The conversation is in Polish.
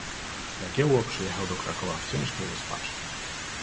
"Jagiełło przyjechał do Krakowa w ciężkiej rozpaczy."